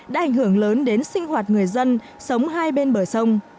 đã ảnh hưởng lớn đến sinh hoạt người dân sống hai bên bờ sông